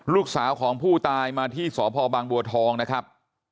ลูกสาวของผู้ตายมาที่สพบางบัวทองนะครับ